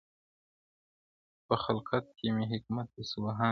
په خِلقت کي مي حکمت د سبحان وینم,